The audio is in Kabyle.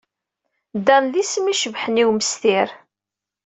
Dan d isem icebḥen i umestir.